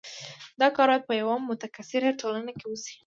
دا کار باید په یوه متکثره ټولنه کې وشي.